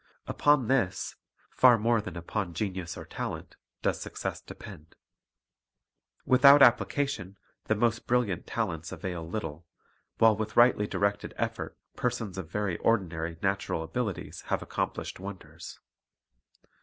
Upon this, far more than upon genius or talent, does success depend. Without appli cation the most brilliant talents avail little, while with rightly directed effort persons of very ordinary natural abilities have accomplished wonders.